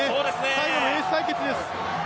最後のエース対決です。